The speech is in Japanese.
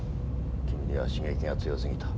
君には刺激が強すぎた。